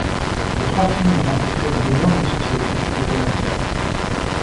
Les trois films ont rencontré un énorme succès critique et commercial.